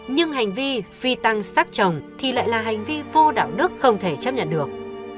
nhưng hành vi phi tăng sắc chồng thì lại là hành vi vô đạo đức không thể chấp nhận được